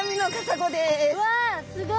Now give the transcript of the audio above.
わすごい。